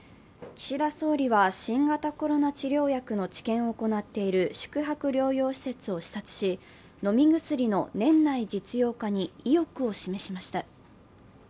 岸田総理は新型コロナ治療薬の治験を行っている宿泊療養施設を視察し飲み薬の年内実用化に意欲を示しました。